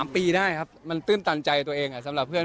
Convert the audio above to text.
๓ปีได้ครับมันตื้นตันใจตัวเองสำหรับเพื่อน